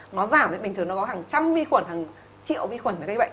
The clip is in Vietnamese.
nó giảm bình thường nó có hàng trăm vi khuẩn hàng triệu vi khuẩn phải gây bệnh